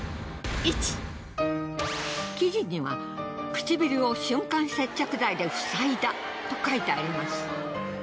記事には「くちびるを瞬間接着剤で塞いだ」と書いてあります。